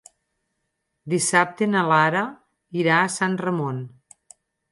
Dissabte na Lara irà a Sant Ramon.